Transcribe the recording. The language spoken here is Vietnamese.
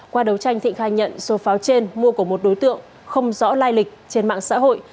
qua đấu tranh thịnh khai nhận số pháo trên mua của một đối tượng không rõ lai lịch trên mạng xã hội